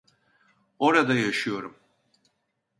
Orada yaşıyorum.